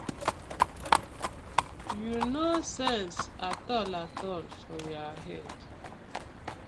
Yu no sence atol for yah head.